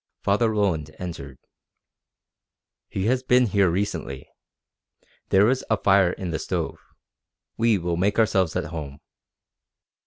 Father Roland entered. "He has been here recently. There is a fire in the stove. We will make ourselves at home."